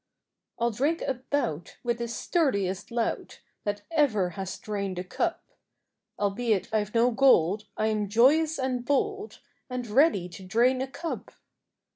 I'll drink a bout with the sturdiest lout That ever has drained a cup; Albeit I've no gold, I am joyous and bold, And ready to drain a cup.